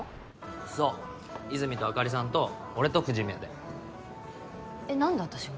そう和泉とあかりさんと俺と藤宮でえっ何で私も？